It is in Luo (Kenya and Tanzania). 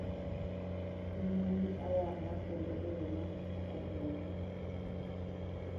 Wuo ayanga kendo eyo ma okopondo.